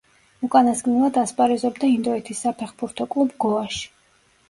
უკანასკნელად ასპარეზობდა ინდოეთის საფეხბურთო კლუბ „გოაში“.